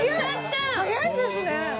早いですね！